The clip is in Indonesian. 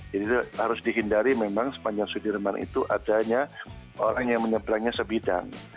jadi itu harus dihindari memang sepanjang sudirman itu adanya orang yang menyebrangnya sebidang